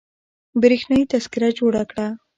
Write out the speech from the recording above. برېښنايي تذکره جوړه کړه